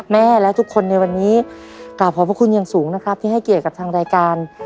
แม่และทุกคนในวันนี้กราบขอบพระคุณอย่างสูงนะครับที่ให้เกียรติกับทางรายการ